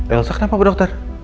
elsa kenapa bu dokter